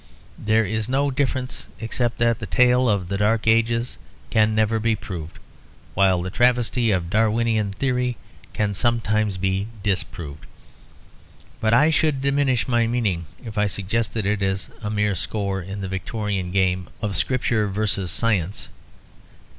There is no difference, except that the tale of the Dark Ages can never be proved, while the travesty of the Darwinian theory can sometimes be disproved. But I should diminish my meaning if I suggested it as a mere score in the Victorian game of Scripture versus Science.